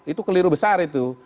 itu keliru besar itu